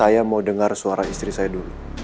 saya mau dengar suara istri saya dulu